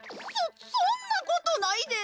そそんなことないで。